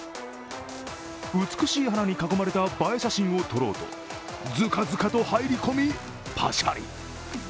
美しい花に囲まれた映え写真を撮ろうとずかずかと入り込み、パシャリ。